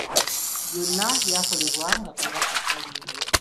Byonna byakolebwa nga Kabaka taliiwo.